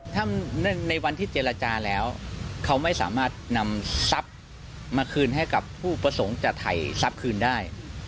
ถ้าในวันที่เจรจาแล้วเขาไม่สามารถนำทรัพย์มาคืนให้กับผู้ประสงค์จะถ่ายทรัพย์คืนได้